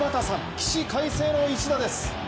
起死回生の一打です。